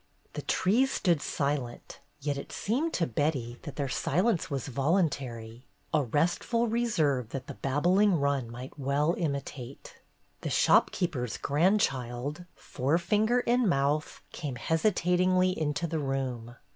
The trees stood silent, yet it seemed to Betty that their silence was voluntary, a restful reserve that the babbling run might well imitate. The shopkeeper's grandchild, forefinger in mouth, came hesitatingly into the room.